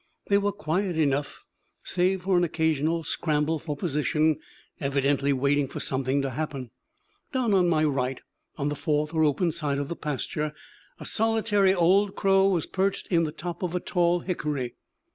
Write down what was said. They were quiet enough, save for an occasional scramble for position, evidently waiting for something to happen. Down on my right, on the fourth or open side of the pasture, a solitary old crow was perched in the top of a tall hickory.